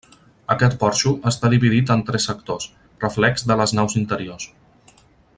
Aquest porxo està dividit en tres sectors, reflex de les naus interiors.